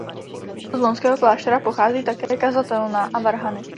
Z lounského kláštera pochází také kazatelna a varhany.